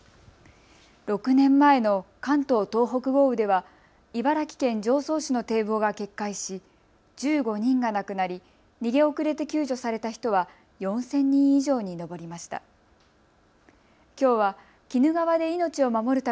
６年前の関東・東北豪雨では茨城県常総市の堤防が決壊し１５人が亡くなり逃げ遅れて救助された人は４０００人以上に上りました。